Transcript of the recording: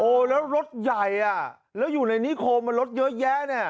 โอ้แล้วรถใหญ่แล้วอยู่ในนิโครมมันรถเยอะแยะ